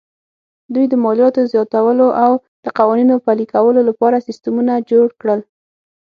دوی د مالیاتو زیاتولو او د قوانینو پلي کولو لپاره سیستمونه جوړ کړل